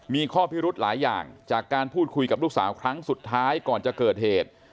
มีข้อพิรุธหลายอย่างจากการพูดคุยกับลูกสาวครั้งสุดท้ายก่อนจะเกิดเหตุ